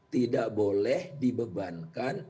tidak boleh dibebankan